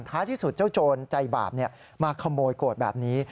ท้ายที่สุดเจ้าโจรใจบาปมาขโมยโกรธแบบนี้